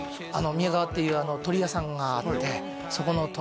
宮川っていう鶏屋さんがあってそこの鶏